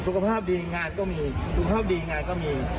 สุขภาพดีงานก็มีสุขภาพดีงานก็มี